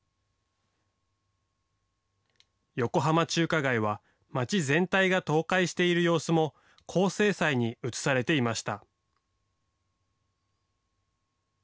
横浜中華街は街全体が倒壊している様子も高精細に写されていました。